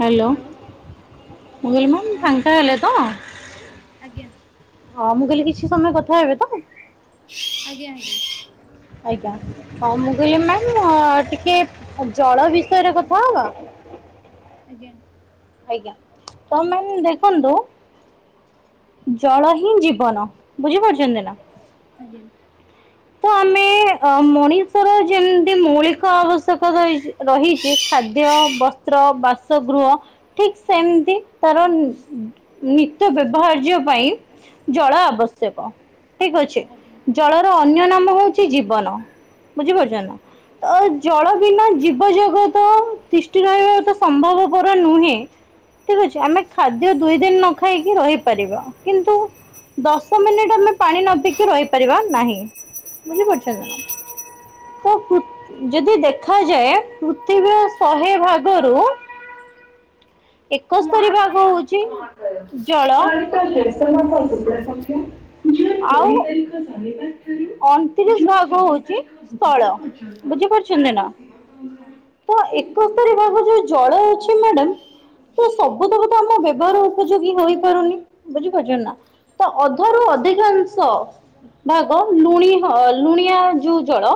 Hello ମୁଗଲ ma'am ହଁ ସାଙ୍ଗତା ମ୍ୟାଡ଼ାମ ହେଲେ ତ ଆଜ୍ଞା ହଁ ମୁଁ କହିଲି କିଛି ସମୟ କଥା ହେବେ ତ ଆଜ୍ଞା ଆଜ୍ଞା ଆଜ୍ଞା ହଁ ମୁଁ କହିଲି ମ ଟିକେ ଜଳ ବିଷୟରେ କଥା ହବ ଆଜ୍ଞା ଆଜ୍ଞା ତ ମ ଦେଖନ୍ତୁ ଜଳ ହିଁ ଜୀବନ ବୁଝିପାରୁଛନ୍ତି ନା ଆ୍ଞ ତ ଆମେ ଅ ମଣିଷର ଯେମିତି ମୌଳିକ ଆବଶ୍ୟକ ର ରହିଛି ଖାଦ୍ୟ ଖାଦ୍ୟ ବସ୍ତ୍ର ବାସଗୃହ ଠିକ୍ ସେମିତି ତାର ନିତ୍ୟ ବ୍ୟବହାର୍ଯ୍ୟ ପାଇଁ ଜଳ ଆବଶ୍ୟକ ଠିକ ଅଛି ଆଜ୍ଞା ଜଳର ଅନ୍ୟ ନାମ ହଉଛି ଜୀବନ ବୁଝିପାରୁଛ ନା ତ ଜଳ ବିନା ଜୀବ ଜଗତ ତିଷ୍ଠି ରହିବା ଏତେ ସମ୍ଭବପର ନୁହେଁ। ଠିକ୍ ଅଛି, ଆମେ ଖାଦ୍ୟ ଦୁଇ ଦିନ୍ ନ ଖାଇକି ରହିପାରିବା। କିନ୍ତୁ ଦଶ ମିନିଟ୍ ଆମେ ପାଣି ନ ପିଇକି ରହିପାରିବା ନାହିଁ। ବୁଝି ପାରୁଛନ୍ତି ନା? ହଁ ତ ଫୁ ଯଦି ଦେଖାଯାଏ ପୃଥିବୀର ଶହେ ଭାଗରୁ ଏକସ୍ତରୀ ଭାଗ ହୋଉଛି ଜଳ ଆଉ ଅଣତିରିସ୍ ଭାଗ ହୋଉଛି ସ୍ଥଳ। ବୁଝିପାରୁଛନ୍ତି ହଁ ନା? ତ ଏକସ୍ତରୀ ଭାଗ ଯୋଉ ଜଳ ଅଛି ମ୍ୟାଡାମ୍ ତ ସବୁ ତକ ତ ଆମ ବ୍ୟବହାର ଉପଯୋଗୀ ହେଇପାରୁନି, ବୁଝିପାରୁଛ ନା? ତ ହଁ ଅଧାରୁ ଅଧିକାଂଶ କାମ୍ ଲୁଣି ହ, ଲୁଣିଆ ଯୋଉ ଜଳ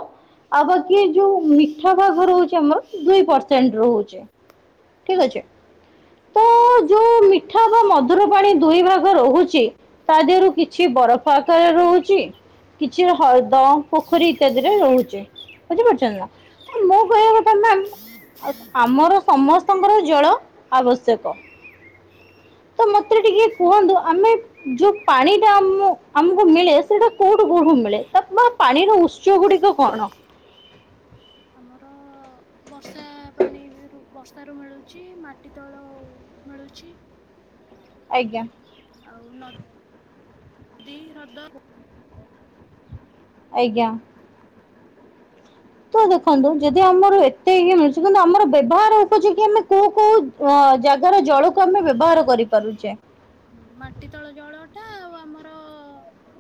ଆଉ ବାକି ଯୋଉ ମିଠା ବାଘ ରହୁଛି ଆମର, ଦଇ ପର୍ସେଣ୍ଟ ରହୁଛି। ଠିକ୍ ହଁ ଅଛି। ତ ଯୋଉ ମିଠା ବା ମଧୁର ପାଣି ଦୁଇ ଭାଗ ରହୁଛି ତା ଦେହରୁ କିଛି ବରଫ ଆକାର ରହୁଛି କିଛି ହଳଦ ପୋଖରୀ ଇତ୍ୟାଦି ରେ ରହୁଛି। ବୁଝିପାରୁଛନ୍ତି ନା? ତ ମୋ କହିବା ଆଜ୍ଞା କଥା ମ୍ୟାମ୍ ଆଉ ଆମର ସମସ୍ତଙ୍କର ଜଳ ଆବଶ୍ୟକ। ତ ମତେ ଟିକେ କୁହନ୍ତୁ ଆମେ ଯୋଉ ପାଣି ଟା ଆମ- ଆମକୁ ମିଳେ ସେଟା କୋଉଠୁ, କୋଉଠୁ ମିଳେ? ତା ପାଣିର ଉତ୍ସ ଗୁଡିକ କଣ? ଆମର ବର୍ଷା ପାଣି ରୁ, ବର୍ଷା ରୁ ମିଳୁଛି। ମାଟି ତଳ ମିଳୁଛି। ଆଜ୍ଞା। ଆଉ ନଦୀ, ହ୍ରଦ ଆଜ୍ଞା। ତ ଦେଖନ୍ତୁ ଯଦି ଆମର ଏତେ ଇଏ ମିଳୁଛି, କିନ୍ତୁ ଆମର ବ୍ୟବହାର ଉପଯୋଗୀ ଆମେ କୋଉ କୋଉ ଅ ଜାଗାର ଜଳକୁ ଆମେ ବ୍ୟବହାର କରିପାରୁଛେ? ହଁ ମାଟି ତଳ ଜଳଟା, ଆଉ ଆମର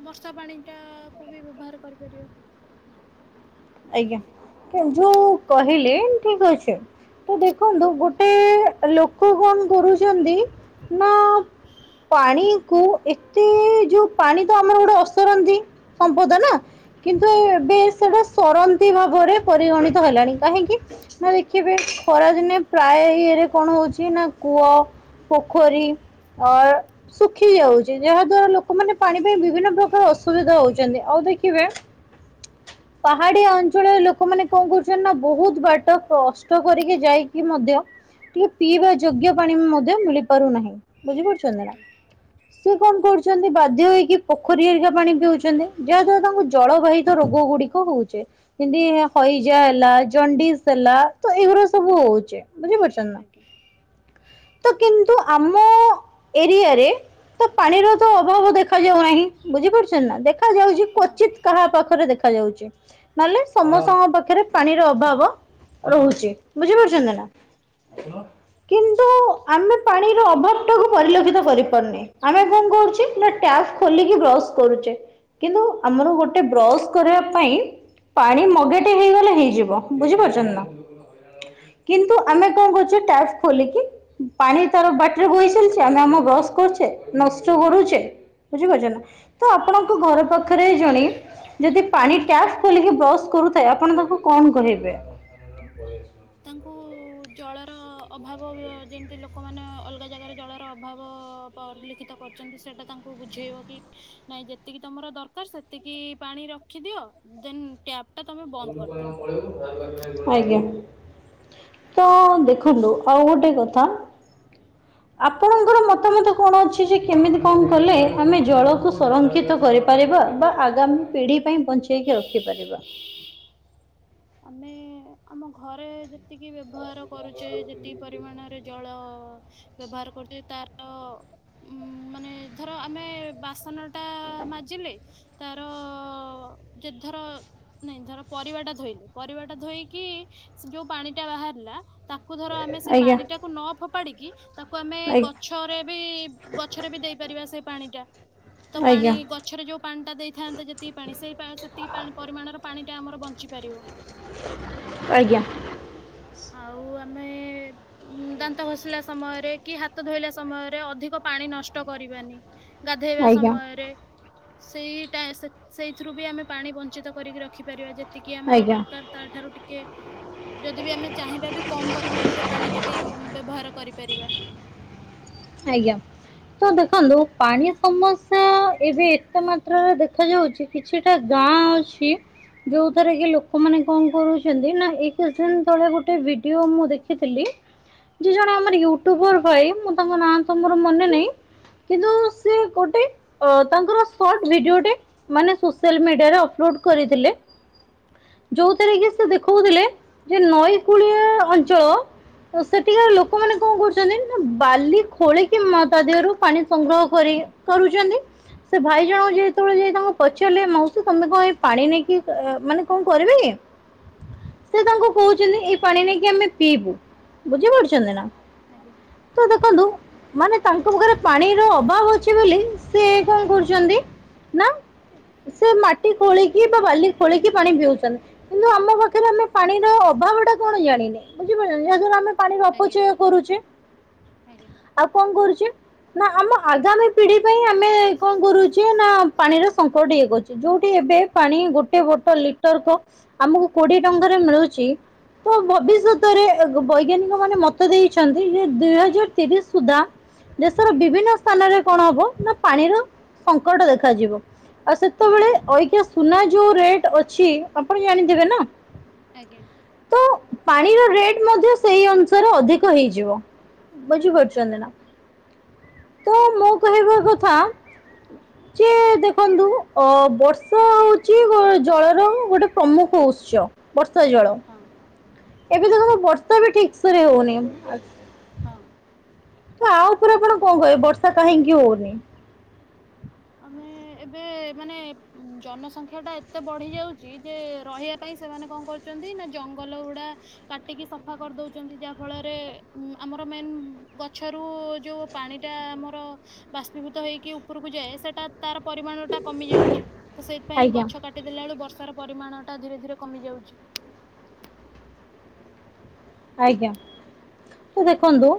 ବର୍ଷା ପାଣିଟା କୁ ବି ବ୍ୟବହାର କରିପାରିବା। ଆଜ୍ଞା। ଯୋଉ କହିଲେ ଠିକ୍ ଅଛି ତ ଦେଖନ୍ତୁ ଗୋଟେ ଲୋକ କଣ କରୁଛନ୍ତି ନା ପାଣି କୁ ଏତେ ଯୋଉ ପାଣି ତ ଆମର ଗୋଟେ ଅସରନ୍ତି ସମ୍ପଦ ନା? କିନ୍ତୁ ଆଜ୍ଞା। ଇ ସେଟା ସରନ୍ତି ଭାବରେ ପରିଗଣିତ ହେଲାଣି କାହିଁକି? ନା ଦେଖିବେ ଖରାଦିନେ ପ୍ରାୟ ଇଏରେ କଣ ହଉଛି, ନା କୂଅ ପୋଖରୀ, ଅ ଶୁଖି ଯାଉଛି। ଯାହା ଦ୍ଵାରା ଲୋକମାନେ ପାଣି ପାଇଁ ବିଭିନ୍ନ ପ୍ରକାର ଅସୁବିଧା ହଉଛନ୍ତି। ଆଉ ଦେଖିବେ ପାହାଡିଆ ଅଞ୍ଚଳରେ ଲୋକମାନେ କଣ କରହୁଛନ୍ତି ନା, ବୋହୁତ୍ ବାଟ କଷ୍ଟ କରିକି ଯାଇକି ମଧ୍ୟ ଟିକେ ପିଇବା ଯୋଗ୍ୟ ପାଣି ମଧ୍ୟ ମିଳି ପାରୁନାହିଁ। ବୁଝିପାରୁଛନ୍ତି ନା? ଆଜ୍ଞା ସେ କଣ କରୁଛନ୍ତି। ବାଧ୍ୟ ହେଇକି ପୋଖରୀଆରିକା ପାଣି ପିଉଛନ୍ତି। ଯାହା ଦ୍ଵାରା ତାଙ୍କୁ ଜଳବାହିତ ରୋଗ ଗୁଡିକ ରୋଗ, ହୋଉଛି। ଯେମିତି ହଇଜା ହେଲା, ଜଣ୍ଡିସ୍ ହେଲା, ତ ଏଇଗୁଡା ସବୁ ହୋଉଛି। ବୁଝିପାରୁଛ ଆଜ୍ଞା ତ କିନ୍ତୁ ଆମ ଏରିଆରେ ତ ପାଣିର ତ ଅଭାବ ଦେଖାଯାଉ ନାହିଁ। ବୁଝିପାରୁଛନ୍ତି ନା? ଦେଖ ଦେଖା ଯାଉଛି, ହଁ କ୍ୱଚିତ କାହା ପାଖରେ ଦେଖାଯାଉଛି। ନହେଲେ ସମସ୍ତଙ୍କ ପାଖରେ ପାଣିର ଅଭାବ ରହୁଛି। ବୁଝିପାରୁଛନ୍ତି ନା? ଆଜ୍ଞା କିନ୍ତୁ ଆମେ ପାଣିର ଅଭାବଟାକୁ ପରିଲକ୍ଷିତ କରିପାରୁନେ। ଆମେ କଣ କରୁଛେ, ନା ଟ୍ୟାପ୍ ଖୋଲିକି ବ୍ରସ୍ କରୁଛେ କିନ୍ତୁ ଆମର ଗୋଟେ ବ୍ରସ୍ କରିବା ପାଇଁ, ପାଣି ମଗେଟେ ହେଇଗଲେ ହେଇଯିବ। ବୁଝିପାରୁଛନ୍ତି ହଁ ନା? କିନ୍ତୁ ଆମେ କଣ କରୁଛେ, ଟ୍ୟାପ୍ ଖୋଲିକି ପାଣି ତାର ବାଟରେ ବୋହି ଚାଲିଛି, ଆମେ ଆମ ବ୍ରସ୍ କରୁଛେ ନଷ୍ଟ କରୁଛେ, ବୁଝିପାରୁଛନ୍ତି ନା? ତ ଆଜ୍ଞା ଆପଣଙ୍କ ଘର ପାଖରେ ଜଣେ ଯଦି ପାଣି ଟ୍ୟାପ୍ ଖୋଲିକି ବ୍ରସ୍ କରୁଥାଏ, ଆପଣ ତାଙ୍କୁ କଣ କହିବେ? ତାଙ୍କୁ ଜଳର ଅଭାବ, ଯେମତି ଲୋକମାନେ ଅଲଗା ଜାଗାରେ ଜଳର ଅଭାବ ପରିଲିଖିତ କରିଛନ୍ତି ସେଟା ତାଙ୍କୁ ବୁଝେଇବ କି, ନାଇଁ ଯେତିକି ତମର ଦରକାର ସେତିକି ପାଣି ର ରଖିଦିଅ, ଦେନ୍ ଟ୍ୟାପ୍ ଟା ତମେ ବନ୍ଦ ବଲୁ କ କରିଦିଅ। [unintelligible] ଆଜ୍ଞା। ତ ଦେଖନ୍ତୁ ଆଉ ଗୋଟେ କଥା ଆପଣଙ୍କର ମତାମତ କଣ ଅଛି ଯେ, କେମିତି କଣ କଲେ, ଆମେ ଜଳକୁ ସଂରକ୍ଷିତ କରି କରିବା ବା ଆଗାମୀ ପିଢ଼ି ପାଇଁ ବଞ୍ଚେଇକି ରଖିପାରିବା? ଆମେ ଆମ ଘରେ ଯେତିକି ବ୍ୟବହାର କରୁଚେ, ଯେତିକି ପରିମାଣରେ ଜଳ ବ୍ୟବହାର କରୁଥିବେ, ତାର ଉମ୍ ମାନେ ଧର ଆମେ ବାସନଟା ମାଜିଲେ ତାର ଅ-ଅ ଯେ ଧର ନାଇଁ ଧର ପରିବାଟା ଧୋଇଲୁ ପରିବାଟା ଧୋଇକି, ସେ ଯୋଉ ପାଣିଟା ବାହାରିଲା, ତାକୁ ଧର ଆମେ ସେ ଆଜ୍ଞା ପାଣିଟାକୁ ନ ଫୋପାଡିକି, ତାକୁ ଆମେ ଆଜ୍ଞା ଗଛରେ ବି, ଗଛରେ ବି ଦେଇପାରିବା ସେ ପାଣିଟା। ତ ପାଣି ଆଜ୍ଞା ଗ ଛରେ ଯୋଉ ପାଣିଟା ଦେଇଥାନ୍ତେ ଯେତିକି ପାଣି, ସେଇ ପାଣ ସେତିକି ପରିମାଣର ପାଣିଟା ଆମର ବଞ୍ଚିପାରିବ। ଆଜ୍ଞା। ଆଉ ଆମେ ଉମ୍ ଦାନ୍ତ ଘଷିଲା ସମୟରେ, କି ହାତ ଧୋଇଲା ସମୟରେ, ଅଧିକ ପାଣି ନଷ୍ଟ କରିବାନି। ଗାଧେଇବା ଆଜ୍ଞା ସମୟରେ ସେଇଟା, ସେଇ-ସେଇଥିରୁ ବି, ଆମେ ପାଣି ବଞ୍ଚିତ କରିକି ରଖିପାରିବା, ଯେତିକି ଆମର ଆଜ୍ଞା ଦରକାର। ତାଠାରୁ ଟିକେ, ଯଦି ବି ଆମେ ଚାହିଁବା ବି କମ ପରିମାଣ ମାଣରେ ପାଣି ଟିକେ ୟୁ ବ୍ୟବହାର କରିପାରିବା। ଆଜ୍ଞା। ତ ଦେଖନ୍ତୁ, ପାଣି ସମସ୍ୟା ଏବେ ଏତେ ମାତ୍ ମାତ୍ରାରେ ଦେଖାଯାଉଛି, କିଛିଟା ଗାଁ ଅଛି ଯୋଉଥିରେ କି ଲୋକମାନେ କଣ କରୁଛନ୍ତି, ନା ଏଇ କିଛି ଦିନ ତଳେ ଗୋଟେ ଭିଡିଓ ମୁଁ ଦେଖିଥିଲି ଯିଏ ଜଣେ ଆମର ୟୁଟ୍ୟୁବର ଭାଇ, ମୁଁ ତାଙ୍କ ନାଁ ତ ମୋର ମନେ ନାହିଁ କିନ୍ତୁ ସିଏ ଗୋଟେ, ଅ ତାଙ୍କର ସର୍ଟ ଭିଡିଓଟେ ମାନେ ସୋସିଆଲ ମିଡିଆରେ ଅପଲୋଡ କରିଥିଲେ ଯୋଉଥିରେ କି ସେ ଦେଖଉଥିଲେ, ଯେ ନଈକୂଳିଆ ଅଞ୍ଚଳ ତ ସେଠିକାର ଲୋକମାନେ କଣ କରୁଛନ୍ତି ନା ବାଲି ଖୋଳିକି, ମ ତା ଦେହରୁ ପାଣି ସଂଗ୍ରହ କରିକି କରୁଛନ୍ତି ସେ ଭାଇ ଜଣକ ଯେତେବେଳେ ଯାଇ ତାଙ୍କୁ ପଚାରିଲେ, ମାଉସୀ, ତମେ କଣ ଏଇ ପାଣି ନେଇକି ମାନେ କଣ କରିବେ କି? ସିଏ ତାଙ୍କୁ କହୁଛନ୍ତି, ଏଇ ପାଣି ନେଇକି ଆମେ ପିଇବୁ। ଆଜ୍ଞା ବୁଝିପାରୁଛନ୍ତି ନା? ଆଜ୍ଞା। ତ ଦେଖନ୍ତୁ, ମାନେ ତାଙ୍କ ପାଖରେ ପାଣିର ଅଭାବ ଅଛି ବୋଲି, ସେ କଣ କରୁଛନ୍ତି ନା, ସେ ମାଟି ଖୋଳିକି ବା ବାଲି ଖୋଳିକି ପାଣି ପିଉଛନ୍ତି। କିନ୍ତୁ, ଆମ ପାଖରେ ଆମେ ପାଣିର ଅଭାବଟା କଣ ଜାଣିନୁ। ବୁଝିପାରୁଛନ୍ତି? ଯାହାଦ୍ଵାରା ଆମେ ପାଣିର ଆଜ୍ଞା ଅପଚୟ କରୁଚେ ଆଜ୍ଞା। ଆଉ କଣ କରୁଚେ, ନା ଆମ ଆଗାମୀ ପିଢି ପାଇଁ ଆମେ କଣ କରୁଚେ, ନା ପାଣିର ସଙ୍କଟ ଇଏ କରୁଛି। ଯୋଉଠି ଏବେ ପାଣି ଗୋଟେ ବୋଟଲ ଲିଟରକୁ ଆମକୁ କୋଡିଏ ଟଙ୍କାରେ ମିଳୁଚି ତ ଭବିଷ୍ୟତରେ, ବୈଜ୍ଞାନିକ ମାନେ ମତ ଦେଇଛନ୍ତି। ଯେ, ଦୁଇ ହଜାର ତିରିସି ସୁଦ୍ଧା, ଦେଶର ବିଭିନ୍ନ ସ୍ଥାନରେ କଣ ହବ, ନା ପାଣିର ସଙ୍କଟ ଦେଖାଯିବ। ଆଉ ସେତେବେଳେ ହଁ ଅଇକ୍ୟ ସୁନା ଯୋଉ ରେଟ ଅଛି। ଆପଣ ଜାଣିଥିବେ ନା। ଆଜ୍ଞା। ତ, ପାଣିର ରେଟ ମଧ୍ୟ ସେଇ ଅନୁସାରେ ଅଧିକ ହେଇଯିବ। ଆଜ୍ଞା ବୁଝିପାରୁଛନ୍ତି ନା। ତ ମୋ କହିବା କଥା, ଯେ ଦେଖନ୍ତୁ, ଅ ବର୍ଷା ହଉଛି ଗୋ ଜଳର ଗୋଟେ ପ୍ରମୁଖ ଉତ୍ସ। ବର୍ଷା ଜଳ। ହଁ। ଏବେ ସବୁ କଣ ବର୍ଷା ବି ଠିକ ସେ ରେ ହେଉନି। ହଁ। ତ ଆ ଉପରେ ଆପଣ କଣ କହିବେ? ବର୍ଷା କାହିଁକି ହେଉନି? ଆମେ ଏବେ, ମାନେ ଜନସଂଖ୍ୟା ଟା ଏତେ ବଢି ଯାଉଚି ଯେ, ରହିବା ପାଇଁ, ସେମାନେ କଣ କରୁଛନ୍ତି, ନା ଜଙ୍ଗଲ ଗୁଡା, କାଟିକି ସଫା କରିଦଉଛନ୍ତି। ଯାହା ଫଳରେ ଉ ଆମର ମେନ୍ ଗଛରୁ ଯୋଉ, ପାଣି ଟା ଆମର ବାଷ୍ପୀଭୂତ ହେଇକି ଉପରକୁ ଯାଏ। ସେଟା ତାର ପରିମାଣ ଟା କମି ଯାଉଛି। ତ ସେଥିପାଇଁ ଆଜ୍ଞା ଗଛ କା ଟିଦେଲା ବେଳୁ, ବର୍ଷାର ପରିମାଣ ଟା ଧୀରେ ଧୀରେ କମି ଯାଉଚି। ଆଜ୍ଞା। ତ ଦେଖନ୍ତୁ,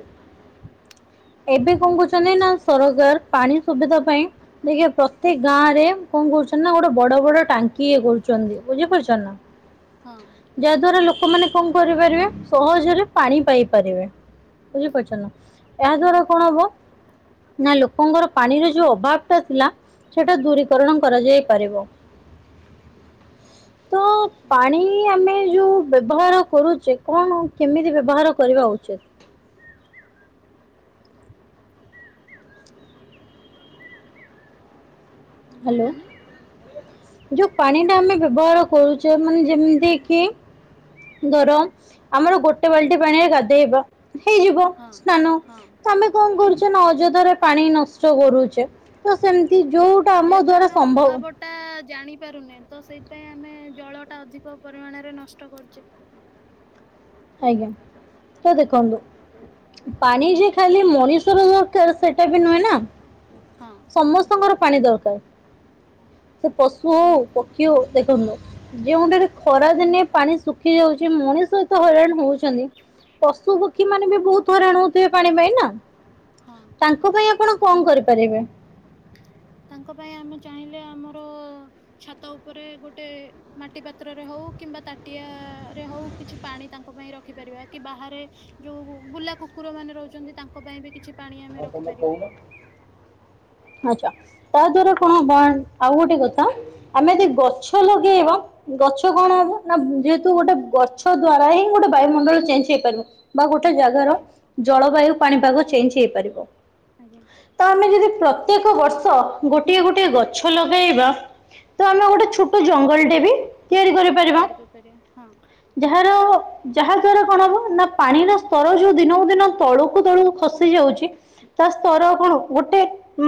ଏବେ କଣ କରହୁଛନ୍ତି। ନା, ସରକାର ପାଣି ସୁବିଧା ପାଇଁ, ଦେଖେ ପ୍ରତ୍ୟେକ ଗାଁ ରେ, କଣ କରୁଛନ୍ତି ନା, ଗୋଟେ ବଡ ବଡ ଟାଙ୍କି ଇଏ କରୁଛନ୍ତି। ବୁଝିପାରୁଛ ନା, ହ [inaudible] ହଁ। ଯାହା ଦ୍ଵାରା ଲୋକମାନେ କଣ କରିପାରିବେ? ସହଜରେ ପାଣି ପାଇପାରିବେନି। ବୁଝିପାରୁଛ ନା। ଏହା ଆଜ୍ଞା ଦ୍ଵାରା କଣ ହବ? ନା ଲୋକଙ୍କର ପାଣିର ଯୋଉ ଅଭାବ ଟା ଥିଲା ସେଟା ଦୂରୀକରଣ କରାଯାଇ ପାରିବ। ତ ଆଜ୍ଞା ପାଣି ଆମେ ଯୋଉ ବ୍ୟବହାର କରୁଚେ କଣ କେମିତି ବ୍ୟବହାର କରିବା ଉଚିତ ଉଁ, ହ୍ୟାଲୋ ମାନେ ଯୋଉ ପାଣି ଟା ଆମେ ବ୍ୟବହାର କରୁଛେ ମାନେ ଯେମିତି କି ଦରମ୍ ଆମର ଗୋଟେ ବାଲ୍ଟି ପାଣିରେ ଗାଧେଇବା ହେଇଯିବ ହଁ ସ୍ନାନ ହଁ ତ ଆମେ କଣ କରୁଛେ ନା ଅଯଧାରେ ପାଣି ନଷ୍ଟ କରୁଛେ ତ ସେମତି ଯୋଉ ଯେହେତୁ ଆମେ ଅଭାବ ଟା ଜାଣିପାରୁନେ ତ ସେଇପାଇଁ ଆମେ ଜଳ ଟା ଅଧିକ ପରିମାଣରେ ନଷ୍ଟ କରୁଛେ। ଆଜ୍ଞା ତ ଦେଖନ୍ତୁ ପାଣି ଯେ ଖାଲି ମଣିଷର ଯୋଉ ସେଇଟା ବି ନୁହେଁ ନା ହଁ ସମସ୍ତଙ୍କର ପାଣି ଦରକାର ସେ ପଶୁ ହଉ ପକ୍ଷୀ ହଉ ଦେଖନ୍ତୁନୁ ଯେଉଁଠାରେ ଖରା ଦିନେ ପାଣି ଶୁଖି ଯାଉଛି ମଣିଷ ଏତେ ହଇରାଣ ହଉଛନ୍ତି। ପଶୁ ପକ୍ଷୀ ମାନେ ବି ବହୁତ ହଇରାଣ ହଉଥିବେ ପାଣି ପାଇଁ ନା ହ ତାଙ୍କ ପାଇଁ ଆପଣ କଣ କରିପାରିବେ? ତାଙ୍କ ପାଇଁ ଆମେ ଚାହିଁଲେ ଆମର ଛାତ ଉପରେ ଗୋଟେ ମାଟି ପାତ୍ରରେ ହଉ କିମ୍ବା ତାଟିଆ ରେ ହଉ କିଛି ପାଣି ତାଙ୍କ ପାଇଁ ରଖିପାରିବା କି ବାହାରେ ଯୋଉ ବୁଲା କୁକୁର ମାନେ ରହୁଛନ୍ତି ତାଙ୍କ ପାଇଁ ବି କିଛି ପାଣି ଆମେ ହଁ ତମ ରଖିପାରିବା କହୁନ ଆଚ୍ଛା ତା ଦ୍ଵାରା କଣ ହବ ଆଉ ଗୋଟେ କଥା ଆମେ ଯଦି ଗଛ ଲଗେଇବା ଗଛ କଣ ହବ ନା ଯେହେତୁ ଗୋଟେ ଗଛ ଦ୍ଵାରା ହିଁ ଗୋଟେ ବାୟୁମଣ୍ଡଳ ଚେଞ୍ଜ ହେଇପାରିବ। ବା ଗୋଟେ ଜାଗାର ଆଜ୍ଞା ଜଳବାୟୁ ପାଣିପାଗ ଚେଞ୍ଜ ହେଇପାରିବ। ଆଜ୍ଞା ତ ଆମେ ଯଦି ପ୍ରତ୍ୟେକ ବର୍ଷ ଗୋଟିଏ ଗୋଟିଏ ଗଛ ଲଗାଇବା ତ ଆମେ ଗୋଟେ ଛୋଟ ଜଙ୍ଗଲଟେ ବି ତିଆରି କରି ତିଆରି କରିପାରିବା ହଁ। ଯାହାର ଯାହା ଦ୍ଵାରା କଣ ହବ ନା? ପାଣିର ସ୍ତର ଯୋଉ ଦିନକୁ ଦିନ ତଳୁକୁ ତଳୁକୁ ଖସି ଯାଉଛି। ତା ସ୍ତର କଣ ଗୋଟେ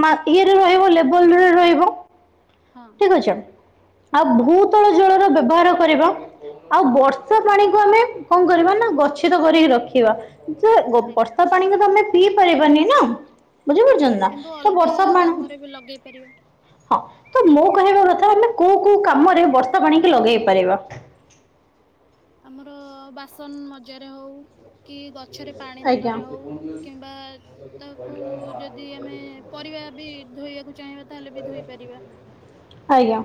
ମା ଇଏରେ ରହିବ ଲେବଲରେ ରହିବ। ହଁ। ଠିକ ଅଛି ଆଉ ଭୂତଳ ଜଳର ବ୍ୟବହାର କରିବା। ଆଉ ବର୍ଷା ଆଜ୍ଞା ପାଣିକୁ ଆମେ କଣ କରିବା ନା ଗଛିତ କରିକି ରଖିବା ଯେ ଆଜ୍ଞା ବର୍ଷା ପାଣିକୁ ଆମେ ପିଇ ପାରିବାନି ନା? ଆଜ୍ଞା ବୁଝିପାରୁଛନ୍ତି ନା କିନ୍ତୁ ତ ଅଲଗା ବର୍ଷା ପା କାମରେ ବି ଲଗେଇ ପାରିବା ହଁ ତ ମୋ କହିବା କଥା ଆମେ କୋଉ କୋଉ କାମରେ ବର୍ଷା ପାଣିକି ଲଗେଇ ପାରିବା? ଆମର ବାସନ ମଜାରେ ହଉ। କି ଗଛରେ ପାଣି ଆଜ୍ଞା ଦେବାରେ ହେଉ କିମ୍ବା ତାକୁ ଯଦି ଆମେ ପରିବା ବି ଧୋଇବାକୁ ଚାହିଁବା ତାହେଲେ ବି ଧୋଇପାରିବା। ଆଜ୍ଞା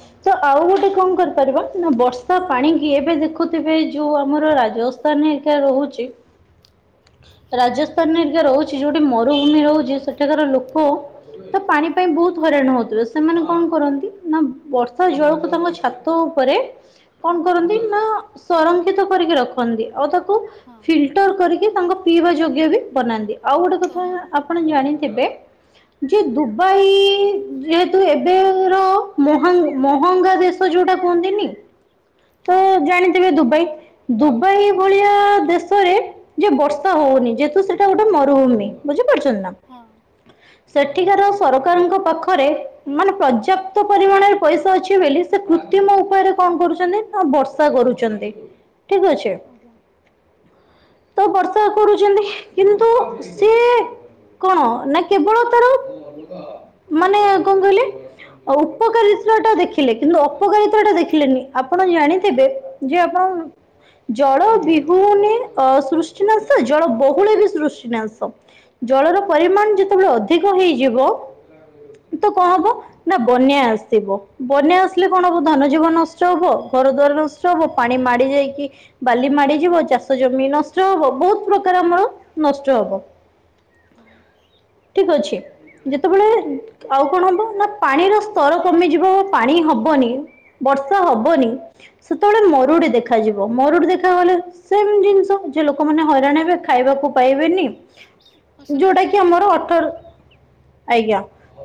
ଆଜ୍ଞା ତ ଆଉ ଗୋଟେ କଣ କରିପାରିବା ନା ବର୍ଷା ପାଣିକି ଏବେ ଦେଖୁଥିବେ ଯେଉଁ ଆମର ରାଜସ୍ଥାନ ରେ କେ ରହୁଛି। ରାଜସ୍ଥାନ ହେରିକା ରହୁଛି ଯୋଉଠି ମରୁଭୂମି ରହୁଛି ସେଠିକାର ଲୋକ ତ ପାଣି ପାଇଁ ବହୁତ ହଇରାଣ ହଉଥିବେ ସେମାନେ କଣ କରନ୍ତି ନା ବର୍ଷା ଜଳକୁ ତାଙ୍କ ଛାତ ଉପରେ କଣ କରନ୍ତି ନା ସଂରକ୍ଷିତ କରିକି ରଖନ୍ତି ଆଉ ତାକୁ ହଁ ଫିଲଟର କରିକି ତାଙ୍କ ପିଇବା ଯୋଗ୍ୟ ବି ବନାନ୍ତି ଆଉ ଗୋଟେ କ କଥା ହଁ ଆପଣ ଜାଣିଥିବେ? ଯେ ଦୁବାଇ ଯେହେତୁ ଏବେର ମହଙ୍ଗ ମହଙ୍ଗା ଦେଶ ଯୋଉଟା କୁହନ୍ତିନି ତ ହଁ ଜାଣିଥିବେ ଦୁବାଇ ଦୁବାଇ ଭଳି ଭଳିଆ ଦେଶରେ ଯେ ବର୍ଷା ହଉନି ଯେହେତୁ ସେଟା ଗୋଟେ ମରୁଭୂମି ବୁଝିପାରୁଛନ୍ତି ନା? ହଁ। [inaudible] ସେଠିକାର ସରକାରଙ୍କ ପାଖରେ ମାନେ ପର୍ଯ୍ୟାପ୍ତ ପରିମାଣରେ ପଇସା ଅଛି ବେଲି ସେ କୃତ୍ରିମ ଉପାୟରେ କଣ କରୁଛନ୍ତି ନା ବର୍ଷା କରୁଛନ୍ତି ଠିକ୍ ଅଛି। ଆଜ୍ଞା। ତ ବର୍ଷା କରୁଚନ୍ତି କିନ୍ତୁ ସେଏ କଣ ନା କେବଳ ତାର ମାନେ କଣ କହିଲେ? ଉପକାରିସ୍ରଟା ଦେଖିଲେ କିନ୍ତୁ ଅପକାରିତାଟା ଦେଖିଲେନି ଆପଣ ଜାଣିଥିବେ? ଯେ ଆପଣ ଜଳ ବି ହୁନେ ସୃଷ୍ଟିନାଶ ଜଳ ବହୁଳେ ବି ସୃଷ୍ଟିନାଶ। ଜଳର ଆଜ୍ଞା ପରିମାଣ ଯେତେବେଳେ ଅଧିକ ହେଇଯିବ ତ କଣ ହବ? ନା ବନ୍ୟା ଆସିବ ବନ୍ୟା ଆସିଲେ କଣ ହବ ଧନ ଜୀବନ୍ ନଷ୍ଟ ହବ ଘରଦ୍ୱାର ନଷ୍ ହବ ପାଣି ମାଡି ଯାଇକି ବାଲି ମାଡିଯିବ ଚାଷ ଜମି ନଷ୍ଟ ହବ ବହୁତ ପ୍ରକାରେ ଆମର୍ ନଷ୍ଟ ହବ। [inaudible] ଠିକ୍ ଅଛି ଯେତେବେଳେ ଆଜ୍ଞା ଆଉ କଣ ହବ ନା ପାଣିର ସ୍ତର କମିଯିବ ପାଣି ହବନି ବର୍ଷା ହବନି ସେତେବେଳେ ମରୁଡି ଦେଖାଯିବ ମରୁଡି ଦେଖାଗଲେ ସେମ୍ ଜିନିଷ ଯେ ଲୋକମାନେ ହଁ ହଇରାଣ ହେବେ ଖାଇବାକୁ ପାଇବେନି ଯୋଉଟା ଫସଲଟା କି ଆମର ହେଇପାରିବନି ଅଠର୍ ଆଜ୍ଞା।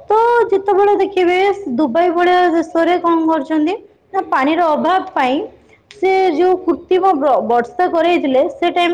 ତ ଯେତେବେଳେ ଦେଖିବେ ସ୍ ଦୁବାଇ ଭଳିଆ ଦେଶରେ କଣ କରିଛନ୍ତି? ନା ପାଣିର ଅଭାବ ପାଇଁ ସେ ଯୋଉ କୃତ୍ରିମ ବ ବର୍ଷା କରେଇଥିଲେ ସେ ଟାଇମ୍